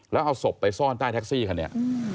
แล้วเอาศพไปซ่อนใต้แท็กซี่คันนี้